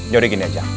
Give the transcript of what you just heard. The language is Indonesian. ya udah gini aja